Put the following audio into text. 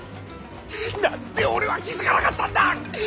何で俺は気付かなかったんだ！